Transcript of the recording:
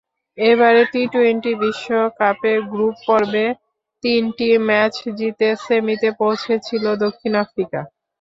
এবারের টি-টোয়েন্টি বিশ্বকাপে গ্রুপ পর্বে তিনটি ম্যাচ জিতে সেমিতে পৌঁছেছিল দক্ষিণ আফ্রিকা।